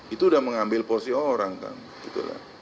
itu sudah mengambil porsi orang kan gitu